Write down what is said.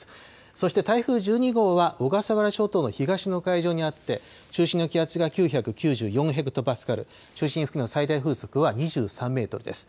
そして台風１２号は小笠原諸島の東の海上にあって、中心の気圧が９９４ヘクトパスカル、中心の気圧は２３メートルです。